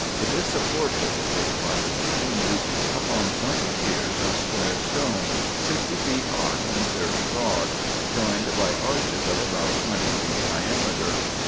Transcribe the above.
It is supported," this writer continues, "upon twenty piers of square stone, sixty feet high and thirty broad, joined by arches of about twenty feet diameter."